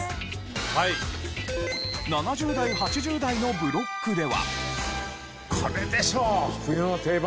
７０代８０代のブロックでは。